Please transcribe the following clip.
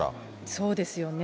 そうですよね。